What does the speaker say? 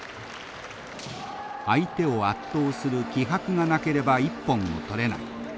相手を圧倒する気迫がなければ一本を取れない。